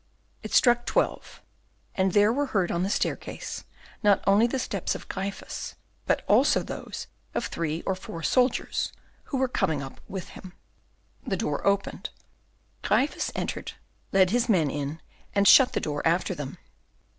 It struck twelve, and there were heard on the staircase not only the steps of Gryphus, but also those of three or four soldiers, who were coming up with him. The door opened. Gryphus entered, led his men in, and shut the door after them.